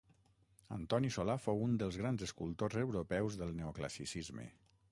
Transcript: Antoni Solà fou un dels grans escultors europeus del Neoclassicisme.